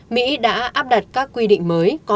mỹ đã áp đặt các quy định mới cho các nước